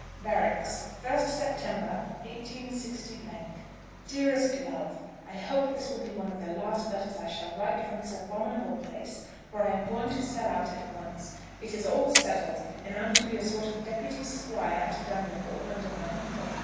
Barracks, 1st September, 186 . DEAREST LOVE, I hope this will be one of the last letters I shall write from this abominable place, for I am going to sell out at once. It is all settled, and I'm to be a sort of deputy Squire at Dunripple, under my uncle.